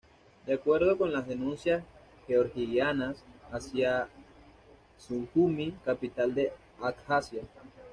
De acuerdo con las denuncias georgianas, hacia Sujumi, capital de Abjasia.